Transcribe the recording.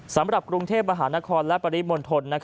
สำหรับกรุงเทพมหานครและปริมณฑล